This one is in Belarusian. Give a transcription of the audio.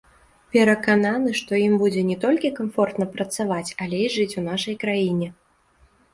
Перакананы, што ім будзе не толькі камфортна працаваць, але і жыць у нашай краіне.